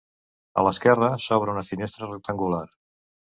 A l'esquerra s'obre una finestra rectangular.